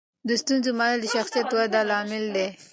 د ستونزو منل د شخصیت ودې لامل دی.